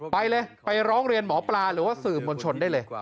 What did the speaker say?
ไปเลยไปร้องเรียนหมอปลาหรือว่าสื่อมวลชนได้เลย